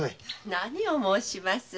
何を申します。